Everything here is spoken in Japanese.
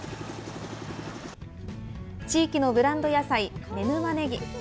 地域のブランド野菜、妻沼ねぎ。